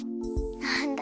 なんだ。